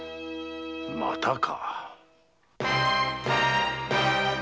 またか。